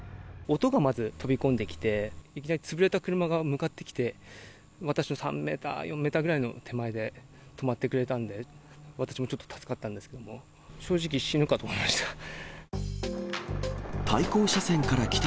音がまず飛び込んできて、いきなり潰れた車が向かってきて、私の３メートル、４メートルぐらいの手前で止まってくれたので、私もちょっと助かったんですけども、正直、死ぬかと思いました。